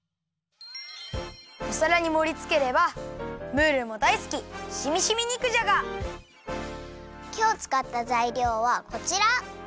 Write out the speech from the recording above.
おさらにもりつければムールもだいすききょうつかったざいりょうはこちら。